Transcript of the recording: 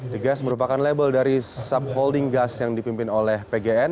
the gas merupakan label dari subholding gas yang dipimpin oleh pgn